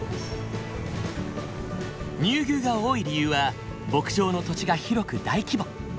乳牛が多い理由は牧場の土地が広く大規模。